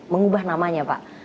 mengubah namanya pak